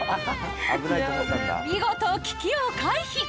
見事危機を回避